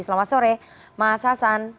selamat sore mas hasan